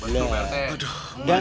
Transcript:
belum pak rt